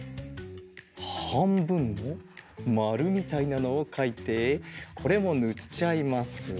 はんぶんのまるみたいなのをかいてこれもぬっちゃいます。